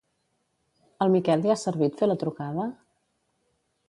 Al Miquel li ha servit fer la trucada?